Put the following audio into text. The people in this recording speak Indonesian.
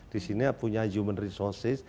di sini punya human resources